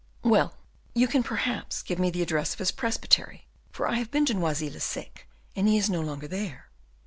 "Well, you can, perhaps, give me the address of his presbytery, for I have been to Noisy le Sec, and he is no longer there."